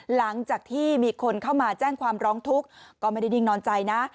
หลังจากที่มีคนเข้ามาแจ้งความร้องทุกข์ก็ไม่ได้นิ่งนอนใจนะ